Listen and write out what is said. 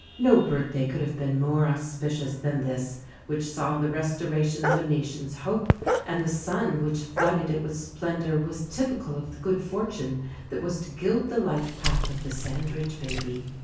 No birthday could have been more auspicious than this which saw the restoration of a nation's hope; and the sun which flooded it with splendour was typical of the good fortune that was to gild the life path of the Sandridge baby.